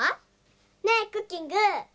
ねえクッキング！